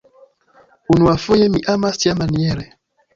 Unuafoje mi amas tiamaniere.